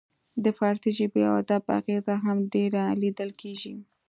د فارسي ژبې او ادب اغیزه هم ډیره لیدل کیږي